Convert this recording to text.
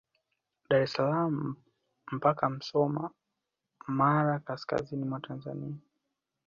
Dar es salaam mpaka Musoma mkoani Mara kaskazini mwa Tanzania